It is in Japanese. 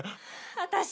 私